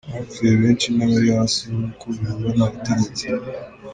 Abapfuye benshi n’abari hasi, nk’uko bivugwa n’abategetsi.